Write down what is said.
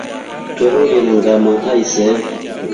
Twe loliyana ngamaa see?